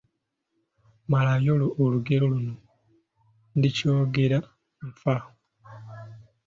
Malayo olugero luno: Ndikyogera nfa, ….